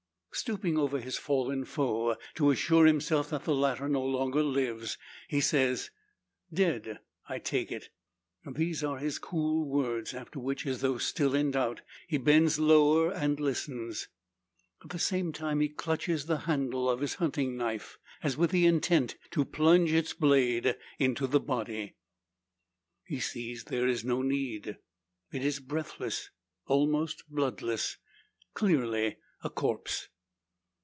Stooping over his fallen foe, to assure himself that the latter no longer lives, he says, "Dead, I take it." These are his cool words; after which, as though still in doubt, he bends lower, and listens. At the same time he clutches the handle of his hunting knife, as with the intent to plunge its blade into the body. He sees there is no need. It is breathless, almost bloodless clearly a corpse!